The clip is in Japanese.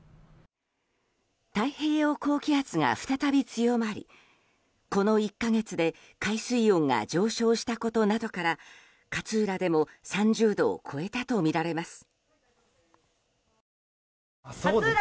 太平洋高気圧が再び強まりこの１か月で海水温が上昇したことなどから勝浦でも３０度を超えたとみられます。